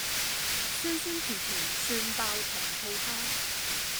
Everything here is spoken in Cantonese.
酸酸甜甜蒜爆糖醋蝦